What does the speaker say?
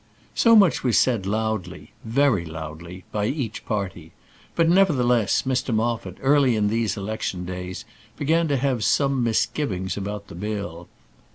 So much was said loudly very loudly by each party; but, nevertheless, Mr Moffat, early in these election days, began to have some misgivings about the bill.